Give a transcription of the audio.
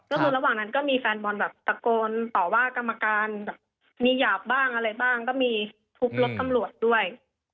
ก็คือระหว่างนั้นก็มีแฟนบอลแบบตะโกนต่อว่ากรรมการแบบมีหยาบบ้างอะไรบ้างก็มีทุบรถตำรวจด้วย